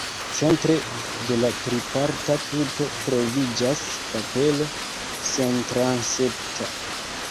Centre de la triparta tuto troviĝas kapelo sentransepta.